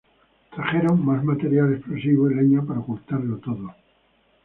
Trajeron más material explosivo y leña para ocultarlo todo.